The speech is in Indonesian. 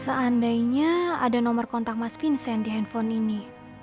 seandainya ada nomor kontak mas vincent di handphone ini